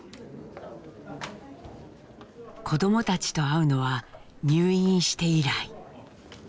子どもたちと会うのは入院して以来。